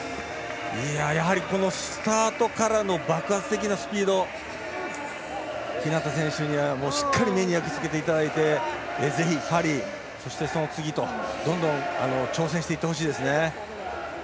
スタートからの爆発的なスピード、日向選手にはしっかり目に焼き付けていただいてぜひ、パリそして、その次とどんどん挑戦していってほしいですね。